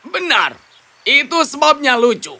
benar itu sebabnya lucu